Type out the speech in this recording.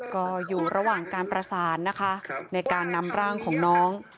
ก็อยู่ระหว่างการประสานนะคะในการนำร่างของน้อง